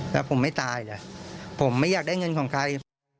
แล้วผมไม่ตายเลยผมไม่อยากได้เงินของใคร